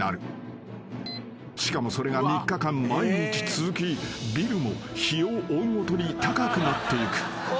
［しかもそれが３日間毎日続きビルも日を追うごとに高くなっていく］